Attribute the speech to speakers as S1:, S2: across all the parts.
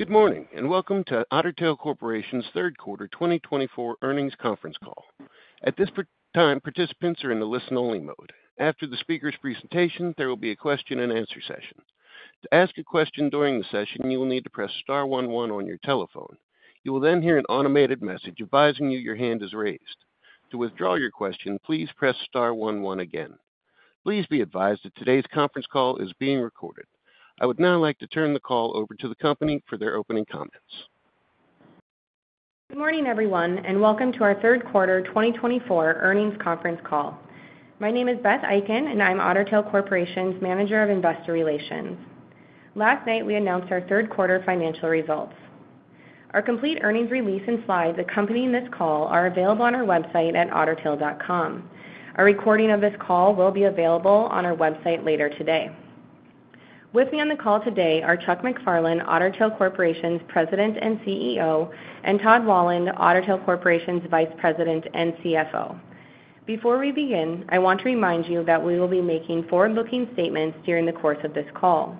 S1: Good morning and welcome to Otter Tail Corporation's third quarter 2024 earnings conference call. At this time, participants are in the listen-only mode. After the speaker's presentation, there will be a question-and-answer session. To ask a question during the session, you will need to press star one one on your telephone. You will then hear an automated message advising you your hand is raised. To withdraw your question, please press star one one again. Please be advised that today's conference call is being recorded. I would now like to turn the call over to the company for their opening comments.
S2: Good morning, everyone, and welcome to our third quarter 2024 earnings conference call. My name is Beth Eiken, and I'm Otter Tail Corporation's Manager of Investor Relations. Last night, we announced our third quarter financial results. Our complete earnings release and slides accompanying this call are available on our website at ottertail.com. A recording of this call will be available on our website later today. With me on the call today are Chuck MacFarlane, Otter Tail Corporation's President and CEO, and Todd Wahlund, Otter Tail Corporation's Vice President and CFO. Before we begin, I want to remind you that we will be making forward-looking statements during the course of this call.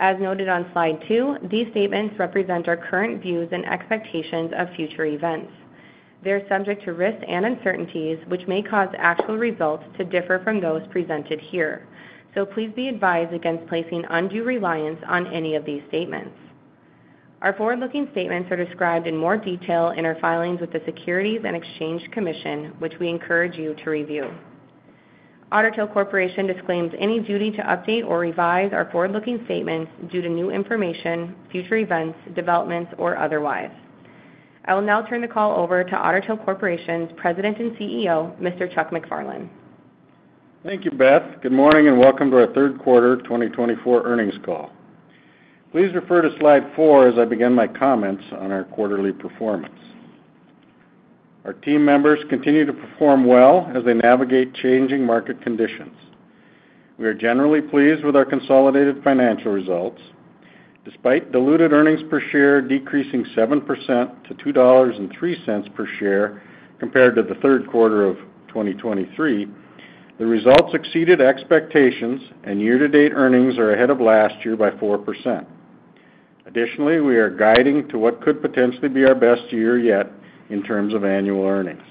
S2: As noted on slide two, these statements represent our current views and expectations of future events. They're subject to risks and uncertainties, which may cause actual results to differ from those presented here. So please be advised against placing undue reliance on any of these statements. Our forward-looking statements are described in more detail in our filings with the Securities and Exchange Commission, which we encourage you to review. Otter Tail Corporation disclaims any duty to update or revise our forward-looking statements due to new information, future events, developments, or otherwise. I will now turn the call over to Otter Tail Corporation's President and CEO, Mr. Chuck MacFarlane.
S3: Thank you, Beth. Good morning and welcome to our third quarter 2024 earnings call. Please refer to slide four as I begin my comments on our quarterly performance. Our team members continue to perform well as they navigate changing market conditions. We are generally pleased with our consolidated financial results. Despite diluted earnings per share decreasing 7% to $2.03 per share compared to the third quarter of 2023, the results exceeded expectations, and year-to-date earnings are ahead of last year by 4%. Additionally, we are guiding to what could potentially be our best year yet in terms of annual earnings.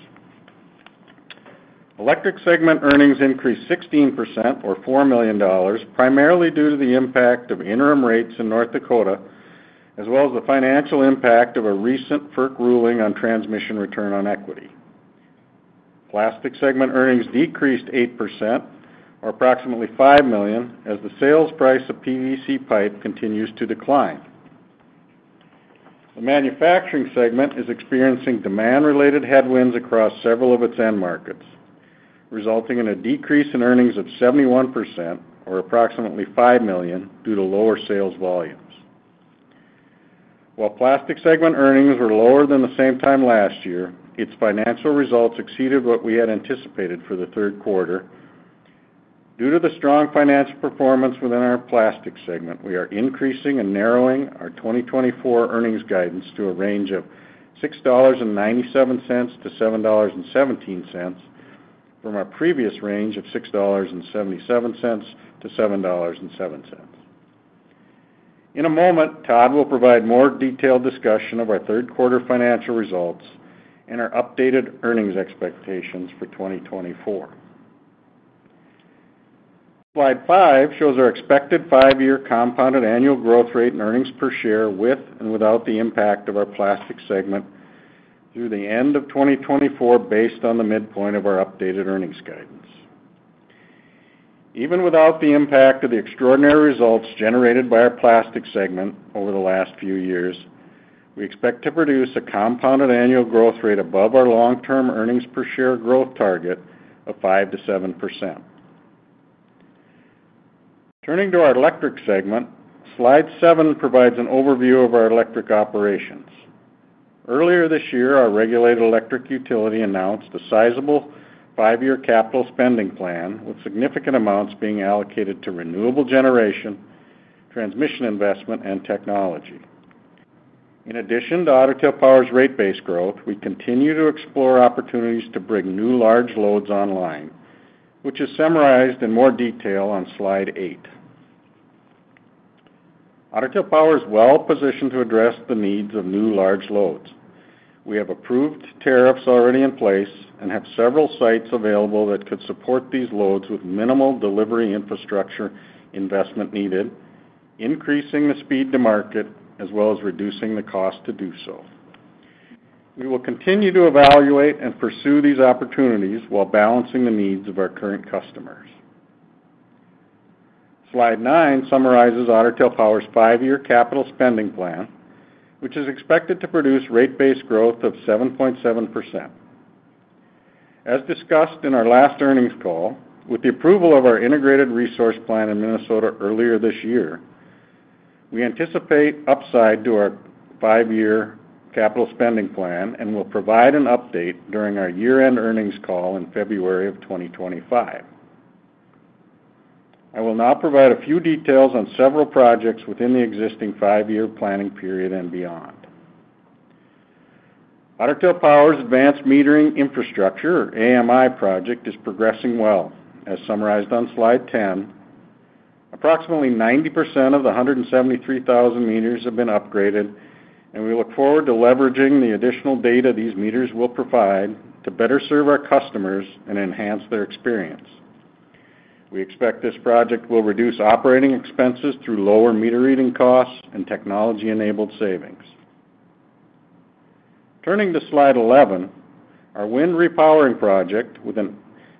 S3: Electric segment earnings increased 16%, or $4 million, primarily due to the impact of interim rates in North Dakota, as well as the financial impact of a recent FERC ruling on transmission return on equity. Plastic segment earnings decreased 8%, or approximately $5 million, as the sales price of PVC pipe continues to decline. The manufacturing segment is experiencing demand-related headwinds across several of its end markets, resulting in a decrease in earnings of 71%, or approximately $5 million, due to lower sales volumes. While plastic segment earnings were lower than the same time last year, its financial results exceeded what we had anticipated for the third quarter. Due to the strong financial performance within our plastic segment, we are increasing and narrowing our 2024 earnings guidance to a range of $6.97-$7.17 from our previous range of $6.77-$7.07. In a moment, Todd will provide more detailed discussion of our third quarter financial results and our updated earnings expectations for 2024. Slide five shows our expected five-year compounded annual growth rate and earnings per share with and without the impact of our plastic segment through the end of 2024, based on the midpoint of our updated earnings guidance. Even without the impact of the extraordinary results generated by our plastic segment over the last few years, we expect to produce a compounded annual growth rate above our long-term earnings per share growth target of 5%-7%. Turning to our electric segment, slide seven provides an overview of our electric operations. Earlier this year, our regulated electric utility announced a sizable five-year capital spending plan, with significant amounts being allocated to renewable generation, transmission investment, and technology. In addition to Otter Tail Power's rate base growth, we continue to explore opportunities to bring new large loads online, which is summarized in more detail on slide eight. Otter Tail Power is well positioned to address the needs of new large loads. We have approved tariffs already in place and have several sites available that could support these loads with minimal delivery infrastructure investment needed, increasing the speed to market as well as reducing the cost to do so. We will continue to evaluate and pursue these opportunities while balancing the needs of our current customers. Slide nine summarizes Otter Tail Power's five-year capital spending plan, which is expected to produce rate base growth of 7.7%. As discussed in our last earnings call, with the approval of our integrated resource plan in Minnesota earlier this year, we anticipate upside to our five-year capital spending plan and will provide an update during our year-end earnings call in February of 2025. I will now provide a few details on several projects within the existing five-year planning period and beyond. Otter Tail Power's advanced metering infrastructure, or AMI, project is progressing well, as summarized on slide ten. Approximately 90% of the 173,000 meters have been upgraded, and we look forward to leveraging the additional data these meters will provide to better serve our customers and enhance their experience. We expect this project will reduce operating expenses through lower meter reading costs and technology-enabled savings. Turning to slide eleven, our wind repowering project with an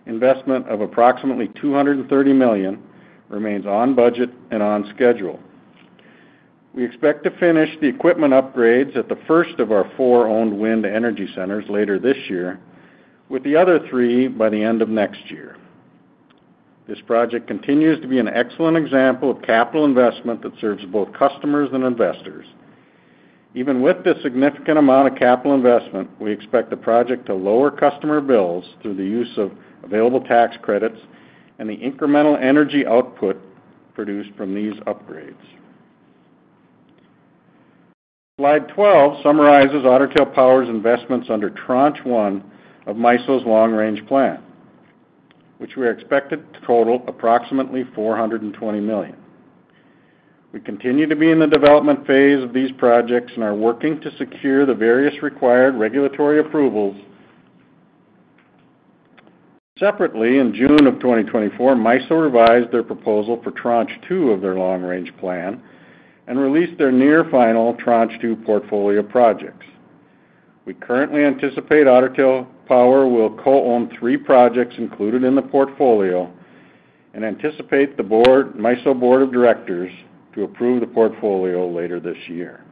S3: investment of approximately $230 million remains on budget and on schedule. We expect to finish the equipment upgrades at the first of our four owned wind energy centers later this year, with the other three by the end of next year. This project continues to be an excellent example of capital investment that serves both customers and investors. Even with this significant amount of capital investment, we expect the project to lower customer bills through the use of available tax credits and the incremental energy output produced from these upgrades. Slide 12 summarizes Otter Tail Power's investments under Tranche 1 of MISO's long-range plan, which we are expected to total approximately $420 million. We continue to be in the development phase of these projects and are working to secure the various required regulatory approvals. Separately, in June of 2024, MISO revised their proposal for Tranche 2 of their long-range plan and released their near-final Tranche 2 portfolio projects. We currently anticipate Otter Tail Power will co-own three projects included in the portfolio and anticipate the MISO Board of Directors to approve the portfolio later this year.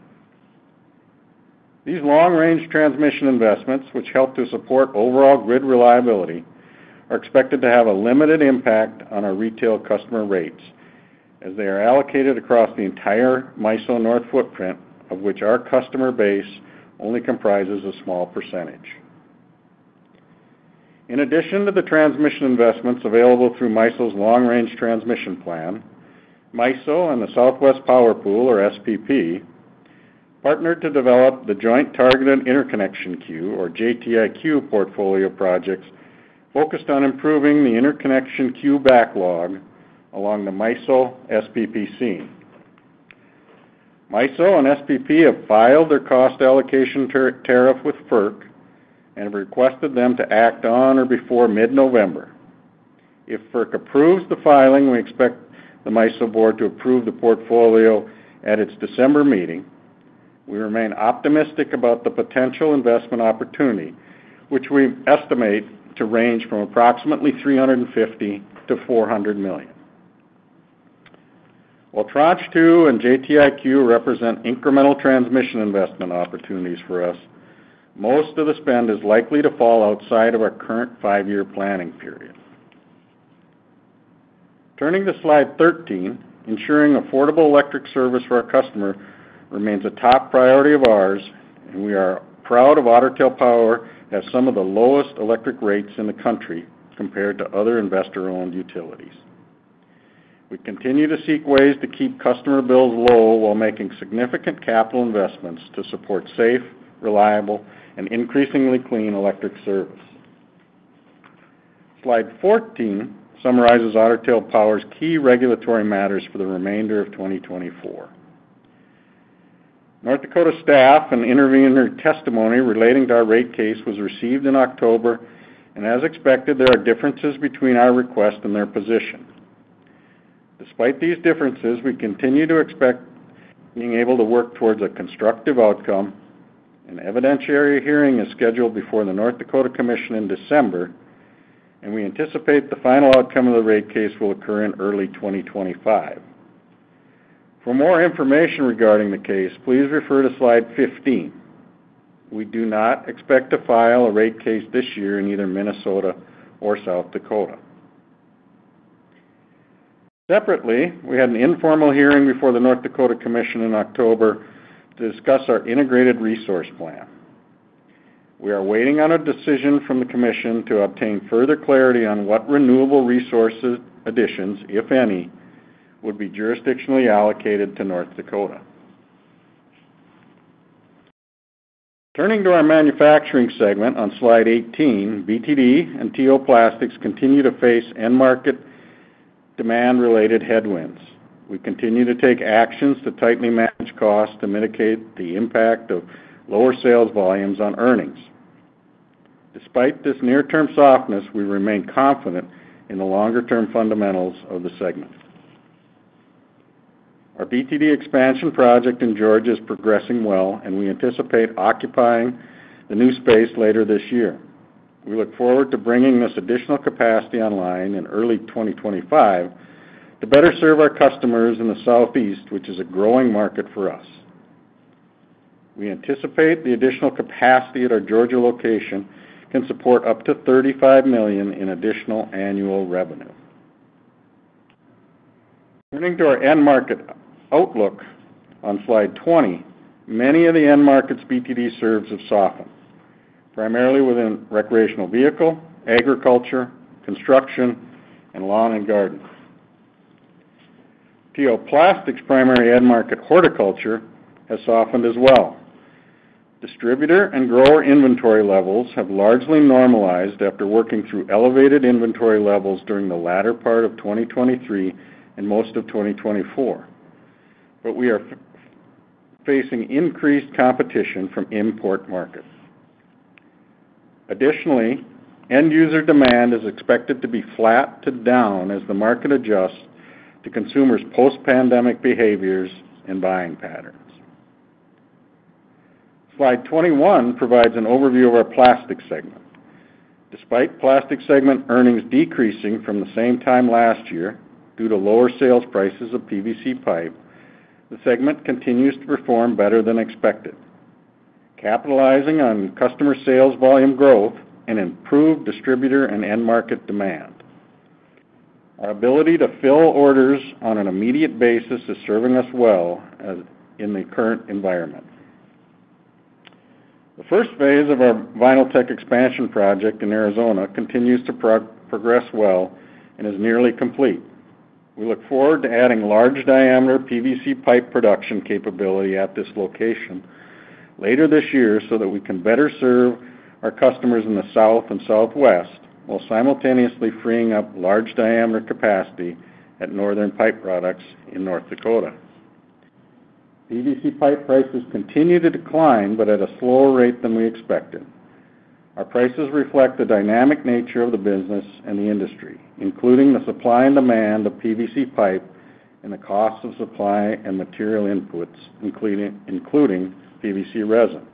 S3: These long-range transmission investments, which help to support overall grid reliability, are expected to have a limited impact on our retail customer rates as they are allocated across the entire MISO North footprint, of which our customer base only comprises a small percentage. In addition to the transmission investments available through MISO's long-range transmission plan, MISO and the Southwest Power Pool, or SPP, partnered to develop the Joint Targeted Interconnection Queue, or JTIQ, portfolio projects focused on improving the interconnection queue backlog along the MISO-SPP seam. MISO and SPP have filed their cost allocation tariff with FERC and have requested them to act on or before mid-November. If FERC approves the filing, we expect the MISO Board to approve the portfolio at its December meeting. We remain optimistic about the potential investment opportunity, which we estimate to range from approximately $350 million-$400 million. While Tranche 2 and JTIQ represent incremental transmission investment opportunities for us, most of the spend is likely to fall outside of our current five-year planning period. Turning to slide 13, ensuring affordable electric service for our customer remains a top priority of ours, and we are proud of Otter Tail Power to have some of the lowest electric rates in the country compared to other investor-owned utilities. We continue to seek ways to keep customer bills low while making significant capital investments to support safe, reliable, and increasingly clean electric service. Slide 14 summarizes Otter Tail Power's key regulatory matters for the remainder of 2024. North Dakota staff and intervenor testimony relating to our rate case was received in October, and as expected, there are differences between our request and their position. Despite these differences, we continue to expect being able to work towards a constructive outcome. An evidentiary hearing is scheduled before the North Dakota Commission in December, and we anticipate the final outcome of the rate case will occur in early 2025. For more information regarding the case, please refer to slide 15. We do not expect to file a rate case this year in either Minnesota or South Dakota. Separately, we had an informal hearing before the North Dakota Commission in October to discuss our integrated resource plan. We are waiting on a decision from the Commission to obtain further clarity on what renewable resource additions, if any, would be jurisdictionally allocated to North Dakota. Turning to our manufacturing segment on slide 18, BTD and T.O. Plastics continue to face end-market demand-related headwinds. We continue to take actions to tightly manage costs to mitigate the impact of lower sales volumes on earnings. Despite this near-term softness, we remain confident in the longer-term fundamentals of the segment. Our BTD expansion project in Georgia is progressing well, and we anticipate occupying the new space later this year. We look forward to bringing this additional capacity online in early 2025 to better serve our customers in the southeast, which is a growing market for us. We anticipate the additional capacity at our Georgia location can support up to $35 million in additional annual revenue. Turning to our end-market outlook on slide 20, many of the end-markets BTD serves have softened, primarily within recreational vehicle, agriculture, construction, and lawn and garden. T.O. Plastics' primary end-market, horticulture, has softened as well. Distributor and grower inventory levels have largely normalized after working through elevated inventory levels during the latter part of 2023 and most of 2024, but we are facing increased competition from import markets. Additionally, end-user demand is expected to be flat to down as the market adjusts to consumers' post-pandemic behaviors and buying patterns. Slide 21 provides an overview of our plastic segment. Despite plastic segment earnings decreasing from the same time last year due to lower sales prices of PVC pipe, the segment continues to perform better than expected, capitalizing on customer sales volume growth and improved distributor and end-market demand. Our ability to fill orders on an immediate basis is serving us well in the current environment. The first phase of our Vinyltech expansion project in Arizona continues to progress well and is nearly complete. We look forward to adding large-diameter PVC pipe production capability at this location later this year so that we can better serve our customers in the south and southwest while simultaneously freeing up large-diameter capacity at Northern Pipe Products in North Dakota. PVC pipe prices continue to decline, but at a slower rate than we expected. Our prices reflect the dynamic nature of the business and the industry, including the supply and demand of PVC pipe and the cost of supply and material inputs, including PVC resin.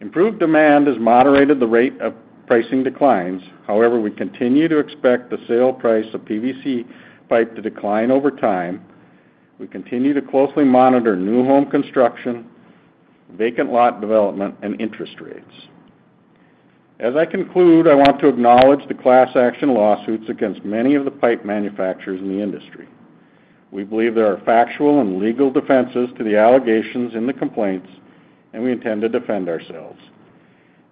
S3: Improved demand has moderated the rate of pricing declines. However, we continue to expect the sale price of PVC pipe to decline over time. We continue to closely monitor new home construction, vacant lot development, and interest rates. As I conclude, I want to acknowledge the class action lawsuits against many of the pipe manufacturers in the industry. We believe there are factual and legal defenses to the allegations in the complaints, and we intend to defend ourselves.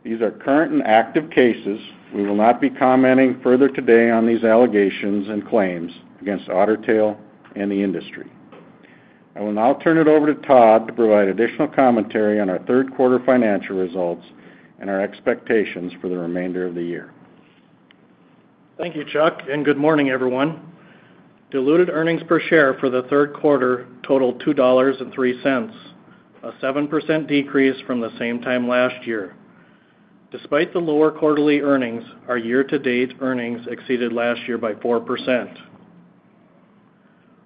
S3: These are current and active cases. We will not be commenting further today on these allegations and claims against Otter Tail and the industry. I will now turn it over to Todd to provide additional commentary on our third-quarter financial results and our expectations for the remainder of the year.
S4: Thank you, Chuck, and good morning, everyone. Diluted earnings per share for the third quarter totaled $2.03, a 7% decrease from the same time last year. Despite the lower quarterly earnings, our year-to-date earnings exceeded last year by 4%.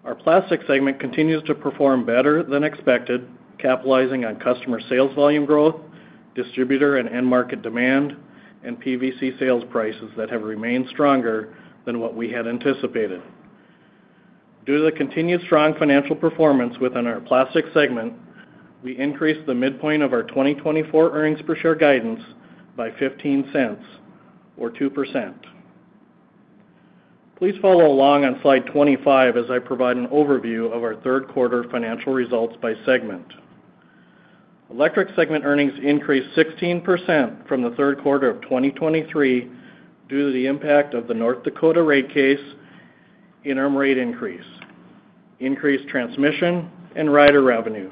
S4: Our plastic segment continues to perform better than expected, capitalizing on customer sales volume growth, distributor and end-market demand, and PVC sales prices that have remained stronger than what we had anticipated. Due to the continued strong financial performance within our plastic segment, we increased the midpoint of our 2024 earnings per share guidance by $0.15, or 2%. Please follow along on slide 25 as I provide an overview of our third-quarter financial results by segment. Electric segment earnings increased 16% from the third quarter of 2023 due to the impact of the North Dakota rate case, interim rate increase, increased transmission and rider revenue,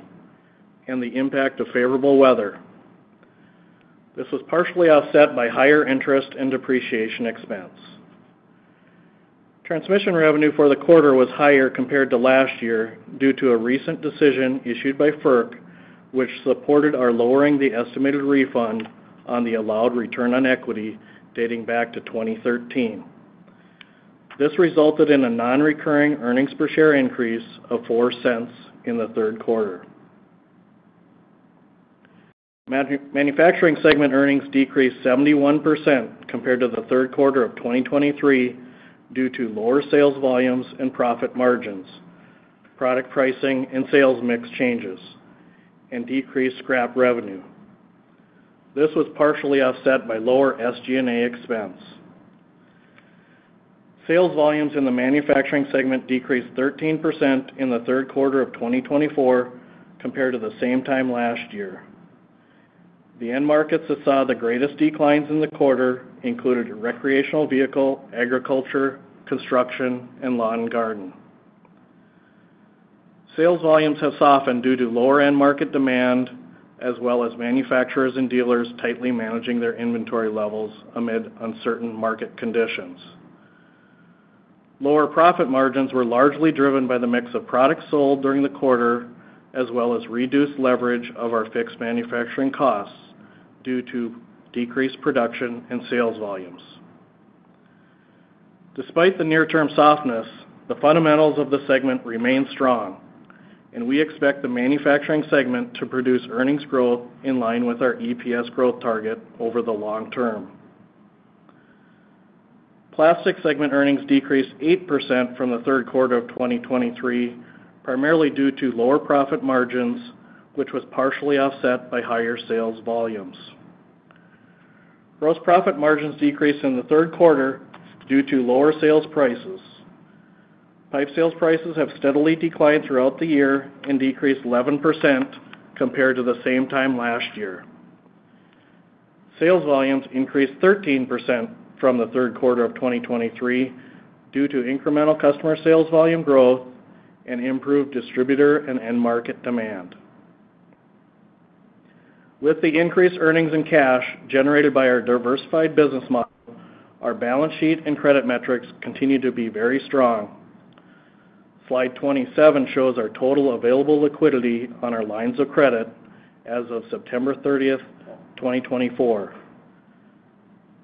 S4: and the impact of favorable weather. This was partially offset by higher interest and depreciation expense. Transmission revenue for the quarter was higher compared to last year due to a recent decision issued by FERC, which supported our lowering the estimated refund on the allowed return on equity dating back to 2013. This resulted in a non-recurring earnings per share increase of $0.04 in the third quarter. Manufacturing segment earnings decreased 71% compared to the third quarter of 2023 due to lower sales volumes and profit margins, product pricing and sales mix changes, and decreased scrap revenue. This was partially offset by lower SG&A expense. Sales volumes in the manufacturing segment decreased 13% in the third quarter of 2024 compared to the same time last year. The end markets that saw the greatest declines in the quarter included recreational vehicle, agriculture, construction, and lawn and garden. Sales volumes have softened due to lower end-market demand, as well as manufacturers and dealers tightly managing their inventory levels amid uncertain market conditions. Lower profit margins were largely driven by the mix of products sold during the quarter, as well as reduced leverage of our fixed manufacturing costs due to decreased production and sales volumes. Despite the near-term softness, the fundamentals of the segment remain strong, and we expect the manufacturing segment to produce earnings growth in line with our EPS growth target over the long term. Plastic segment earnings decreased 8% from the third quarter of 2023, primarily due to lower profit margins, which was partially offset by higher sales volumes. Gross profit margins decreased in the third quarter due to lower sales prices. Pipe sales prices have steadily declined throughout the year and decreased 11% compared to the same time last year. Sales volumes increased 13% from the third quarter of 2023 due to incremental customer sales volume growth and improved distributor and end-market demand. With the increased earnings in cash generated by our diversified business model, our balance sheet and credit metrics continue to be very strong. Slide 27 shows our total available liquidity on our lines of credit as of September 30th, 2024.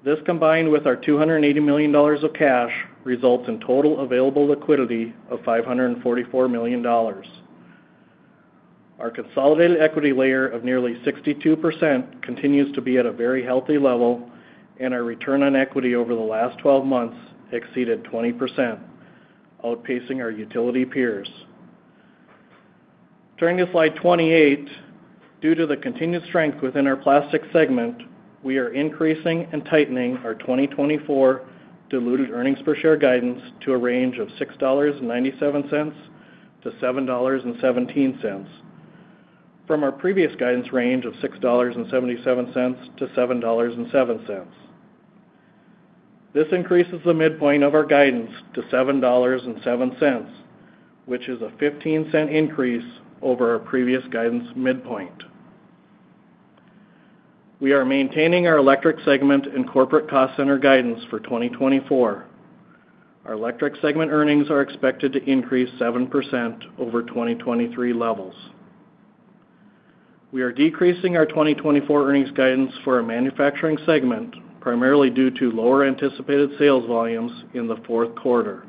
S4: This, combined with our $280 million of cash, results in total available liquidity of $544 million. Our consolidated equity layer of nearly 62% continues to be at a very healthy level, and our return on equity over the last twelve months exceeded 20%, outpacing our utility peers. Turning to slide 28, due to the continued strength within our plastic segment, we are increasing and tightening our 2024 diluted earnings per share guidance to a range of $6.97-$7.17 from our previous guidance range of $6.77-$7.07. This increases the midpoint of our guidance to $7.07, which is a $0.15 increase over our previous guidance midpoint. We are maintaining our electric segment and corporate cost center guidance for 2024. Our electric segment earnings are expected to increase 7% over 2023 levels. We are decreasing our 2024 earnings guidance for our manufacturing segment, primarily due to lower anticipated sales volumes in the fourth quarter.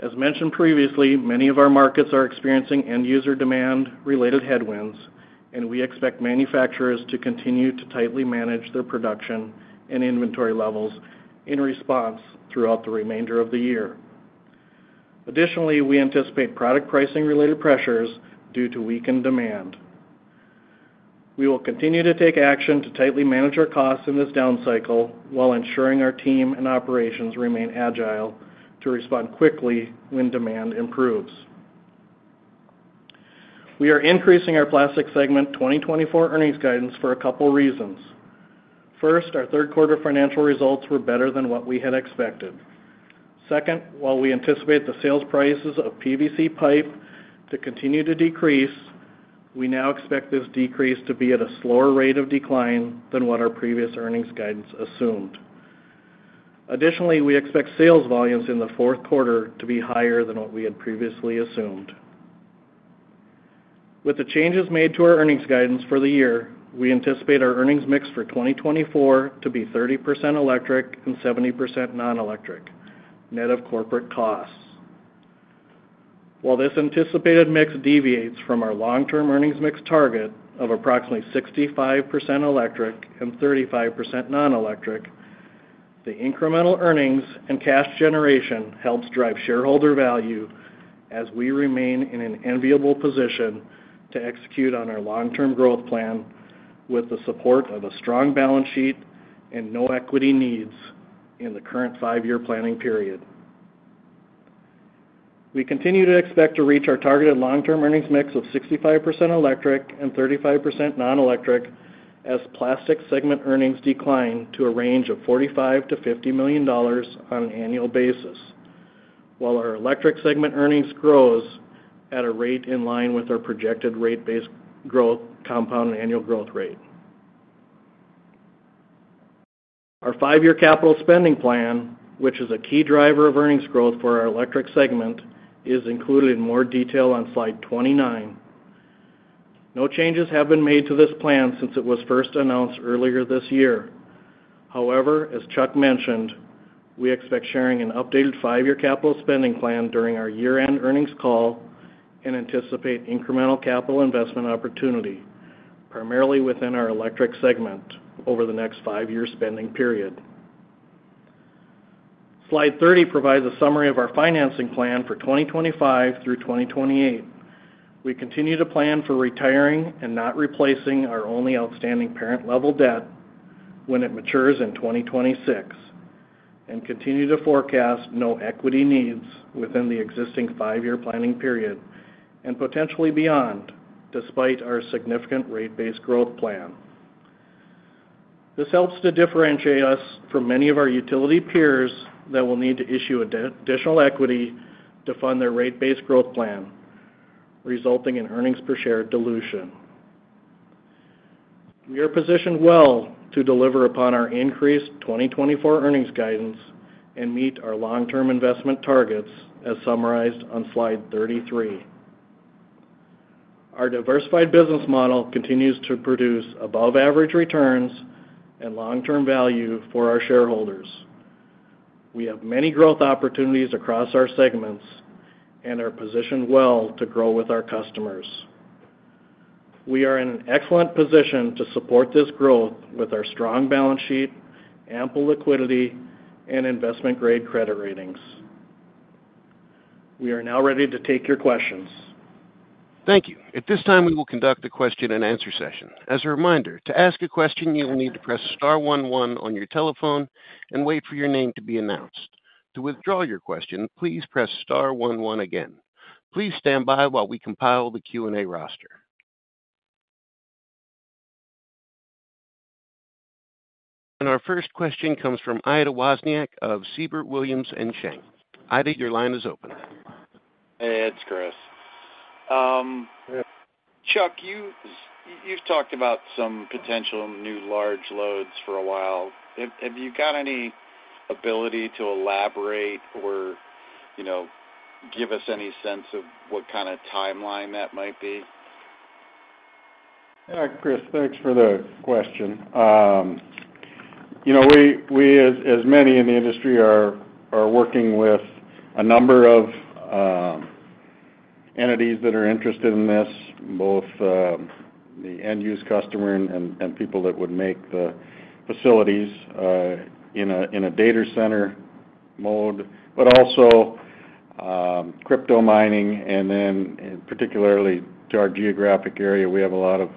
S4: As mentioned previously, many of our markets are experiencing end-user demand-related headwinds, and we expect manufacturers to continue to tightly manage their production and inventory levels in response throughout the remainder of the year. Additionally, we anticipate product pricing-related pressures due to weakened demand. We will continue to take action to tightly manage our costs in this down cycle while ensuring our team and operations remain agile to respond quickly when demand improves. We are increasing our plastic segment 2024 earnings guidance for a couple of reasons. First, our third-quarter financial results were better than what we had expected. Second, while we anticipate the sales prices of PVC pipe to continue to decrease, we now expect this decrease to be at a slower rate of decline than what our previous earnings guidance assumed. Additionally, we expect sales volumes in the fourth quarter to be higher than what we had previously assumed. With the changes made to our earnings guidance for the year, we anticipate our earnings mix for 2024 to be 30% electric and 70% non-electric, net of corporate costs. While this anticipated mix deviates from our long-term earnings mix target of approximately 65% electric and 35% non-electric, the incremental earnings and cash generation helps drive shareholder value as we remain in an enviable position to execute on our long-term growth plan with the support of a strong balance sheet and no equity needs in the current five-year planning period. We continue to expect to reach our targeted long-term earnings mix of 65% electric and 35% non-electric as plastic segment earnings decline to a range of $45 million-$50 million on an annual basis, while our electric segment earnings grows at a rate in line with our projected rate base growth compound annual growth rate. Our five-year capital spending plan, which is a key driver of earnings growth for our electric segment, is included in more detail on slide twenty-nine. No changes have been made to this plan since it was first announced earlier this year. However, as Chuck mentioned, we expect sharing an updated five-year capital spending plan during our year-end earnings call and anticipate incremental capital investment opportunity, primarily within our electric segment, over the next five-year spending period. Slide thirty provides a summary of our financing plan for 2025 through 2028. We continue to plan for retiring and not replacing our only outstanding parent-level debt when it matures in 2026 and continue to forecast no equity needs within the existing five-year planning period and potentially beyond, despite our significant rate base growth plan. This helps to differentiate us from many of our utility peers that will need to issue additional equity to fund their rate base growth plan, resulting in earnings per share dilution. We are positioned well to deliver upon our increased 2024 earnings guidance and meet our long-term investment targets, as summarized on slide 33. Our diversified business model continues to produce above-average returns and long-term value for our shareholders. We have many growth opportunities across our segments and are positioned well to grow with our customers. We are in an excellent position to support this growth with our strong balance sheet, ample liquidity, and investment-grade credit ratings. We are now ready to take your questions.
S1: Thank you. At this time, we will conduct a question-and-answer session. As a reminder, to ask a question, you will need to press star one one on your telephone and wait for your name to be announced. To withdraw your question, please press star one one again. Please stand by while we compile the Q&A roster. Our first question comes from Ida Wozniak of Siebert Williams Shank. Ida, your line is open.
S5: Hey, it's Chris. Chuck, you've talked about some potential new large loads for a while. Have you got any ability to elaborate or give us any sense of what kind of timeline that might be?
S3: Chris, thanks for the question. As many in the industry are working with a number of entities that are interested in this, both the end-use customer and people that would make the facilities in a data center mode, but also crypto mining, and then, particularly to our geographic area, we have a lot of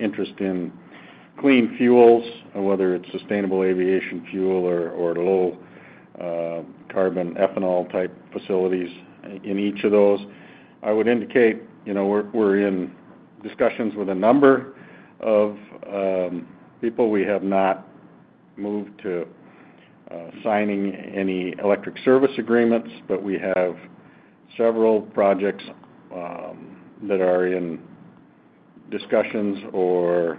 S3: interest in clean fuels, whether it's sustainable aviation fuel or low-carbon ethanol-type facilities. In each of those, I would indicate we're in discussions with a number of people. We have not moved to signing any electric service agreements, but we have several projects that are in discussions or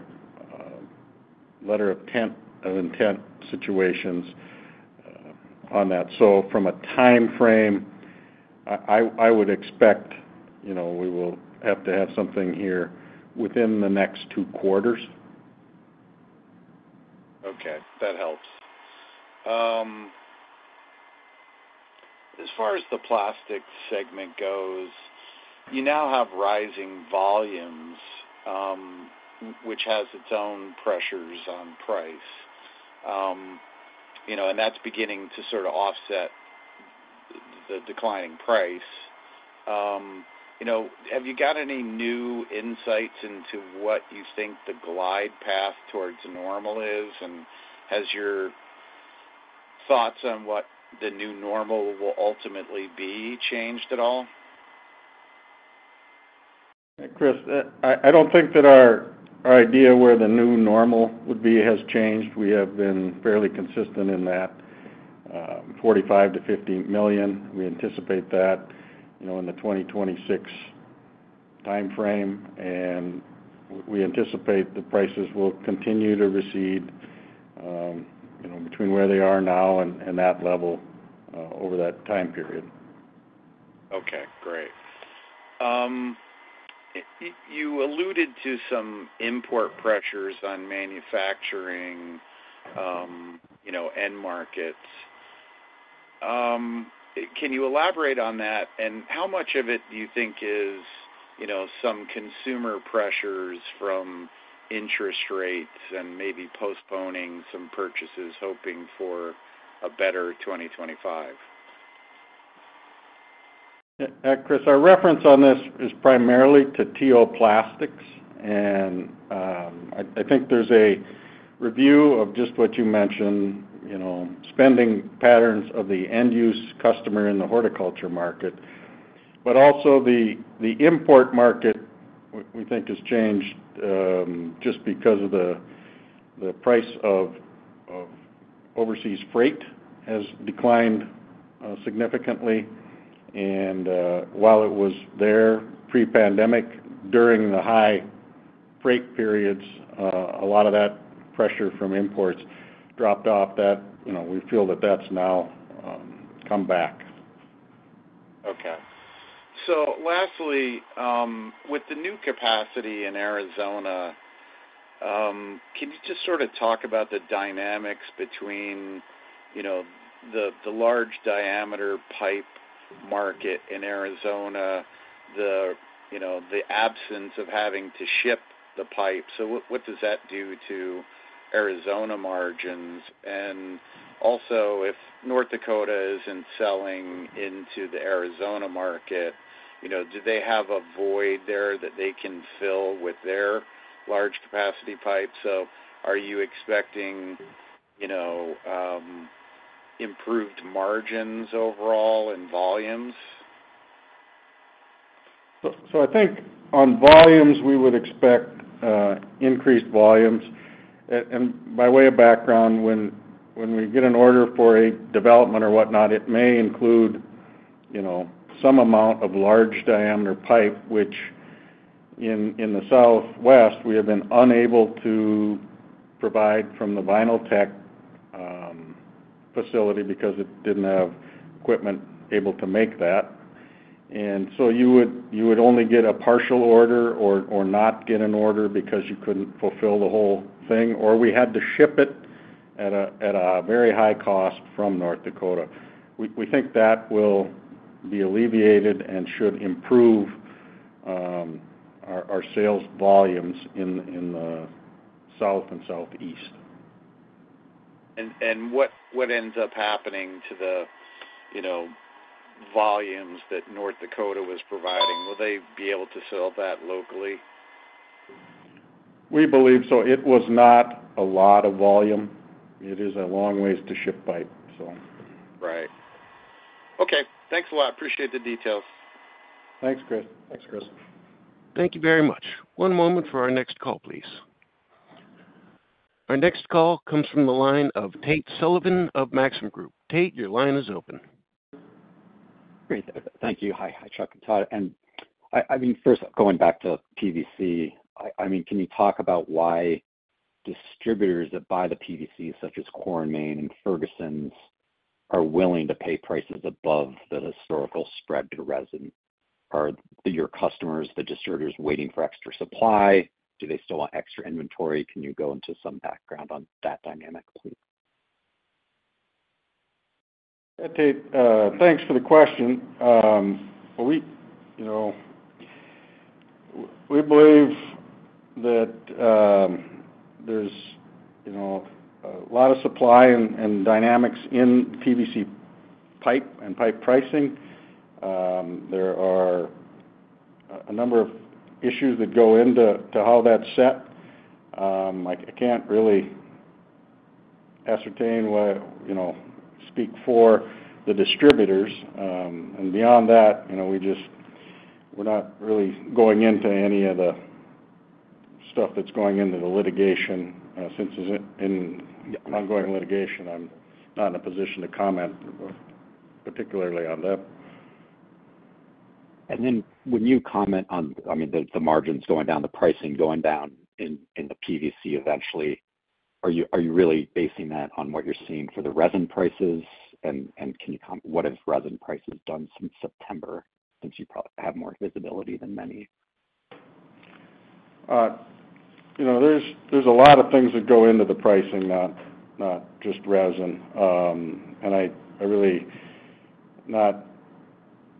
S3: letter of intent situations on that, so from a timeframe, I would expect we will have to have something here within the next two quarters.
S5: Okay, that helps. As far as the plastic segment goes, you now have rising volumes, which has its own pressures on price, and that's beginning to sort of offset the declining price. Have you got any new insights into what you think the glide path towards normal is? And has your thoughts on what the new normal will ultimately be changed at all?
S3: Chris, I don't think that our idea where the new normal would be has changed. We have been fairly consistent in that: $45 million-$50 million. We anticipate that in the 2026 timeframe, and we anticipate the prices will continue to recede between where they are now and that level over that time period.
S5: Okay, great. You alluded to some import pressures on manufacturing end markets. Can you elaborate on that? How much of it do you think is some consumer pressures from interest rates and maybe postponing some purchases, hoping for a better 2025?
S3: Chris, our reference on this is primarily to T.O. Plastics, and I think there's a review of just what you mentioned: spending patterns of the end-use customer in the horticulture market. Also, the import market, we think, has changed just because of the price of overseas freight has declined significantly. While it was there pre-pandemic, during the high freight periods, a lot of that pressure from imports dropped off. We feel that that's now come back.
S5: Okay. Lastly, with the new capacity in Arizona, can you just sort of talk about the dynamics between the large diameter pipe market in Arizona, the absence of having to ship the pipe? What does that do to Arizona margins? And also, if North Dakota isn't selling into the Arizona market, do they have a void there that they can fill with their large capacity pipes? So are you expecting improved margins overall and volumes?
S3: So I think on volumes, we would expect increased volumes. And by way of background, when we get an order for a development or whatnot, it may include some amount of large diameter pipe, which in the Southwest, we have been unable to provide from the Vinyltech facility because it didn't have equipment able to make that. And so you would only get a partial order or not get an order because you couldn't fulfill the whole thing, or we had to ship it at a very high cost from North Dakota. We think that will be alleviated and should improve our sales volumes in the South and Southeast.
S5: And what ends up happening to the volumes that North Dakota was providing? Will they be able to sell that locally?
S3: We believe so. It was not a lot of volume. It is a long ways to ship pipe, so.
S5: Right. Okay. Thanks a lot. Appreciate the details.
S3: Thanks, Chris.
S4: Thanks, Chris.
S1: Thank you very much. One moment for our next call, please. Our next call comes from the line of Tate Sullivan of Maxim Group. Tate, your line is open.
S6: Great. Thank you. Hi, Chuck and Todd. And I mean, first, going back to PVC, I mean, can you talk about why distributors that buy the PVC, such as Core & Main and Ferguson's, are willing to pay prices above the historical spread to resin? Are your customers, the distributors, waiting for extra supply? Do they still want extra inventory? Can you go into some background on that dynamic, please?
S3: Tate, thanks for the question. We believe that there's a lot of supply and dynamics in PVC pipe and pipe pricing. There are a number of issues that go into how that's set. I can't really speak for the distributors. And beyond that, we're not really going into any of the stuff that's going into the litigation. Since it's in ongoing litigation, I'm not in a position to comment particularly on that.
S6: And then when you comment on, I mean, the margins going down, the pricing going down in the PVC eventually, are you really basing that on what you're seeing for the resin prices? And what have resin prices done since September, since you probably have more visibility than many?
S3: There's a lot of things that go into the pricing, not just resin. And I'm really not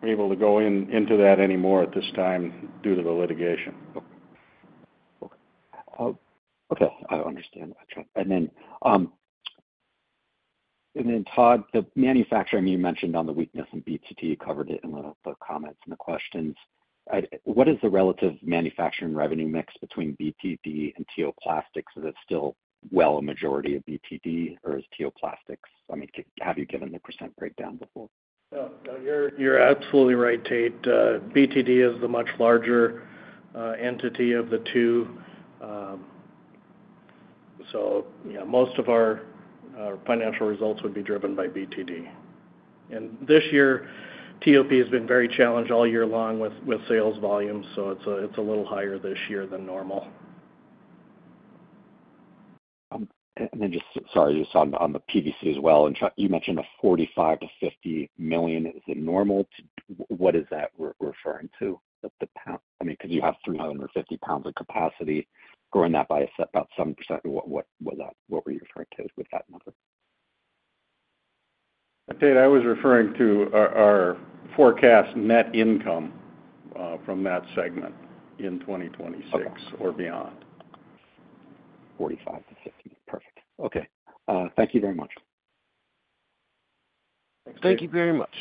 S3: able to go into that anymore at this time due to the litigation.
S6: Okay. Okay. I understand. And then, Todd, the manufacturing you mentioned on the weakness in BTD, you covered it in the comments and the questions. What is the relative manufacturing revenue mix between BTD and T.O. Plastics? Is it still well a majority of BTD, or is T.O. Plastics? I mean, have you given the percent breakdown before?
S4: No, you're absolutely right, Tate. BTD is the much larger entity of the two. So most of our financial results would be driven by BTD. And this year, TOP has been very challenged all year long with sales volumes, so it's a little higher this year than normal.
S6: And then just, sorry, just on the PVC as well, you mentioned a $45 million-$50 million. Is it normal? What is that referring to? I mean, because you have 350 lbs of capacity, growing that by about 7%, what were you referring to with that number?
S3: Tate, I was referring to our forecast net income from that segment in 2026 or beyond.
S6: 45-50. Perfect. Okay. Thank you very much.
S1: Thank you very much.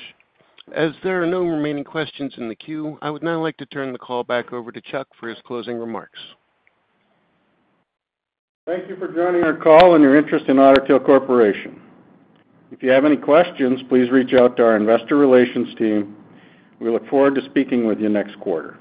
S1: As there are no remaining questions in the queue, I would now like to turn the call back over to Chuck for his closing remarks.
S3: Thank you for joining our call and your interest in Otter Tail Corporation. If you have any questions, please reach out to our investor relations team. We look forward to speaking with you next quarter.